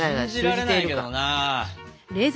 信じられないけどな。